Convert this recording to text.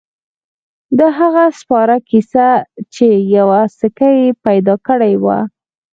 د هغه سپاره کیسه چې یوه سکه يې پیدا کړې وه.